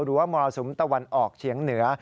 หรือว่าเมอร์สุมทวันออกเฉียงเหนือ